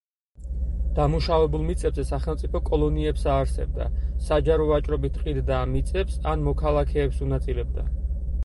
დამუშავებულ მიწებზე სახელმწიფო კოლონიებს აარსებდა, საჯარო ვაჭრობით ყიდდა ამ მიწებს, ან მოქალაქეებს უნაწილებდა.